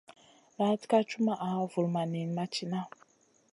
Laaɗ ka cumaʼa, vulmaʼ niyn ma cina.